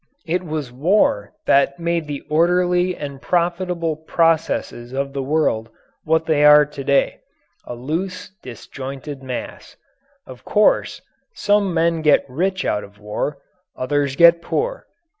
It was war that made the orderly and profitable processes of the world what they are to day a loose, disjointed mass. Of course, some men get rich out of war; others get poor.